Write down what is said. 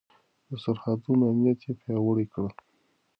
د سرحدونو امنيت يې پياوړی کړ.